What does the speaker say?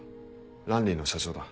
ランリーの社長だ。